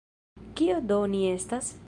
Kio do ni estas?